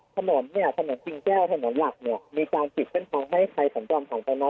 ถนนเนี้ยถนนจริงแก้วถนนหลักเนี้ยมีการจิตเป็นพร้อมให้ใครส่งจอมถังตอนนั้น